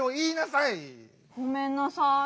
ごめんなさい。